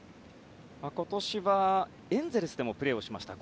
今年はエンゼルスでもプレーをしました。